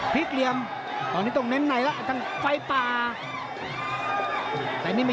พลิกเหลี่ยมตอนนี้ต้องเน้นไหนล่ะ